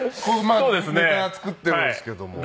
まあネタ作ってるんですけども。